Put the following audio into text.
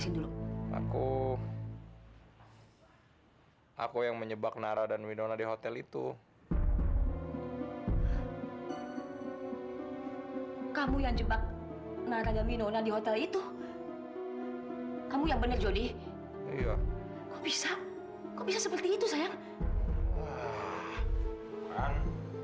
itu kamu yang jebak naraja minona di hotel itu kamu yang bener jodi bisa bisa seperti itu sayang